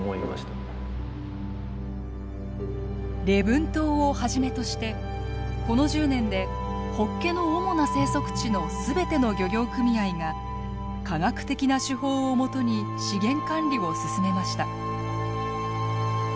礼文島をはじめとしてこの１０年でホッケの主な生息地の全ての漁業組合が科学的な手法をもとに資源管理を進めました。